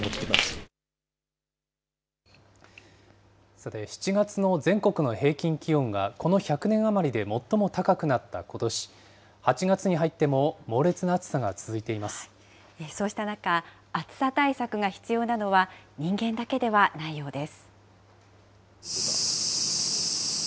さて、７月の全国の平均気温が、この１００年余りで最も高くなったことし、８月に入っても猛烈なそうした中、暑さ対策が必要なのは、人間だけではないようです。